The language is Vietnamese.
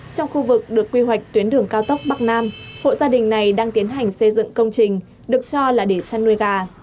trong khu vực được quy hoạch tuyến đường cao tốc bắc nam hộ gia đình này đang tiến hành xây dựng công trình được cho là để chăn nuôi gà